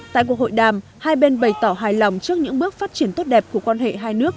tại cuộc hội đàm hai bên bày tỏ hài lòng trước những bước phát triển tốt đẹp của quan hệ hai nước